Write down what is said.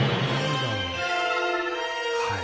はい。